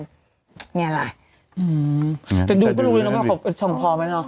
นี่แหละอืมแต่ดูก็รู้นะครับชมพอมั้ยเนอะ